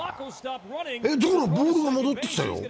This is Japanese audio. え、ボールが戻ってきたよ。